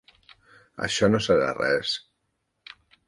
Això no serà res.